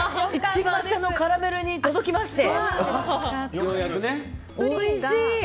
一番下のカラメルに届きまして。